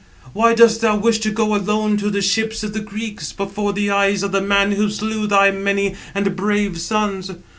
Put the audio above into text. Why dost thou wish to go alone to the ships of the Greeks, before the eyes of the man who slew thy many and brave sons?